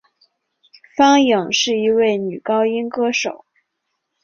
方颖是一位女高音歌手。